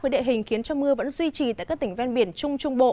với địa hình khiến cho mưa vẫn duy trì tại các tỉnh ven biển trung trung bộ